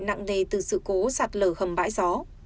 nặng nề từ sự cố sạt lở hầm bãi gió